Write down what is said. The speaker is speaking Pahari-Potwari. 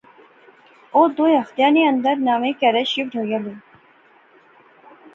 اوہ دو ہفتیاں نے اندر نویں کہراچ شفٹ ہوئی الے